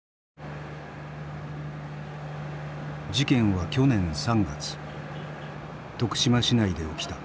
事件は去年３月徳島市内で起きた。